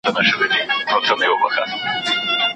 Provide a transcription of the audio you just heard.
چي شېبه مخکي په ښکر وو نازېدلی